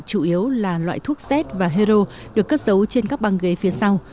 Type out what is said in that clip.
chủ yếu là loại thuốc z và hero được cất dấu trên các băng ghế phía sau